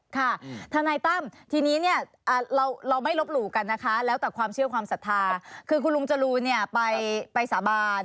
ค่ะทนายตั้มทีนี้เนี่ยเราไม่ลบหลู่กันนะคะแล้วแต่ความเชื่อความศรัทธาคือคุณลุงจรูนเนี่ยไปสาบาน